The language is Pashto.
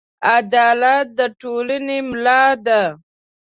عدالت د ټولنې ملا ده.